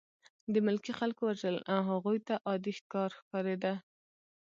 د ملکي خلکو وژل هغوی ته عادي کار ښکارېده